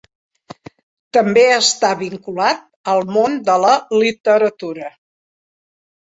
També està vinculat al món de la literatura.